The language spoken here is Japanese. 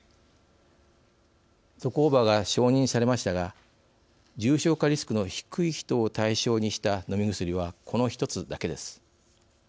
ゾコーバが承認されましたが重症化リスクの低い人を対象にした飲み薬はこの１つだけです。